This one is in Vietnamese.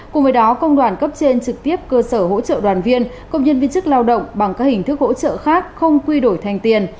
cùng với đó công đoàn cấp trên trực tiếp cơ sở hỗ trợ đoàn viên công nhân viên chức lao động bằng các hình thức hỗ trợ khác không quy đổi thành tiền